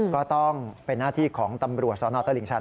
ก็ต้องเป็นหน้าที่ของตำรวจสนตลิ่งชัน